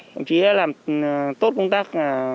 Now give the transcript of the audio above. đồng chí đã làm tốt công tác